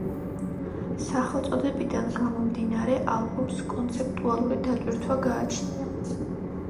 სახელწოდებიდან გამომდინარე, ალბომს კონცეპტუალური დატვირთვაც გააჩნია.